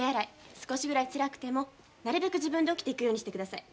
少しぐらいつらくてもなるべく自分で起きて行くようにして下さい。